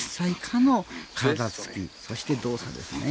体つきそして動作ですね。